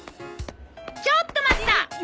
ちょっと待った！